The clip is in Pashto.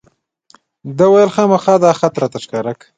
ده وویل خامخا به دا خط راته ښکاره کوې.